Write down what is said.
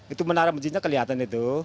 itu menara masjidnya kelihatan itu